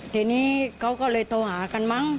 ทีนี้เขาก็เลยโทรหากันมั้ง